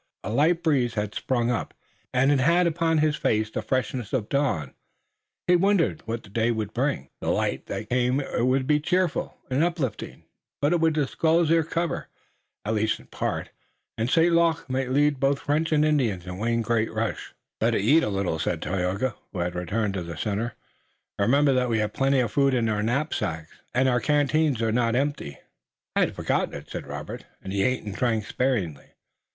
A light breeze had sprung up, and it had upon his face the freshness of the dawn. He wondered what the day would bring. The light that came with it would be cheerful and uplifting, but it would disclose their covert, at least in part, and St. Luc might lead both French and Indians in one great rush. "Better eat a little," said Tayoga, who had returned to the center. "Remember that we have plenty of food in our knapsacks, nor are our canteens empty." "I had forgotten it," said Robert, and he ate and drank sparingly.